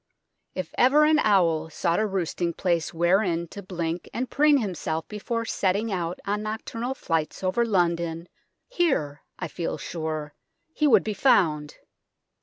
If ever an owl sought a roosting place wherein to blink and preen himself before setting out on nocturnal flights over London, here, I feel sure, he would be found.